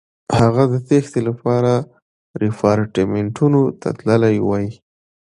هغه د تېښتې لپاره ریپارټیمنټو ته تللی وای.